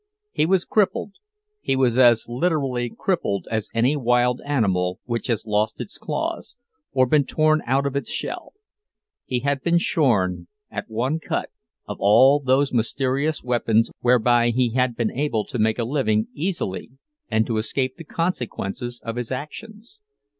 He was crippled—he was as literally crippled as any wild animal which has lost its claws, or been torn out of its shell. He had been shorn, at one cut, of all those mysterious weapons whereby he had been able to make a living easily and to escape the consequences of his actions.